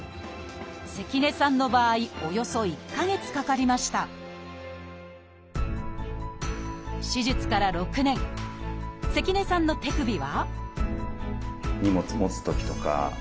関根さんの場合およそ１か月かかりました関根さんの手首は荷物持つときとか本当に何か